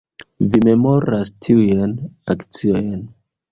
Vi memoras tiujn akciojn